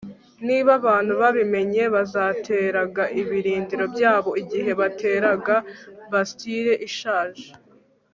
Niba abantu babimenye bazateraga ibirindiro byabo igihe bateraga Bastile ishaje